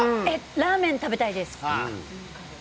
ラーメンが食べたいです。